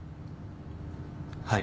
はい。